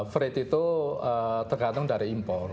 frade itu tergantung dari impor